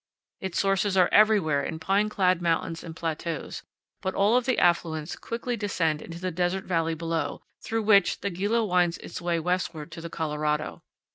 Its sources are everywhere in pine clad mountains and plateaus, but all of the affluents quickly descend into the desert valley below, through which the Gila winds its way westward to the Colorado.